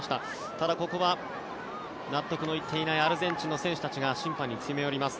ただ、ここは納得のいっていないアルゼンチンの選手たちが審判に詰め寄ります。